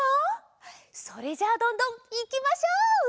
それじゃあどんどんいきましょう！